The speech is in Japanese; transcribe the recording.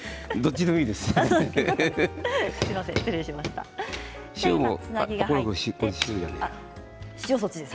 どっちでもいいです。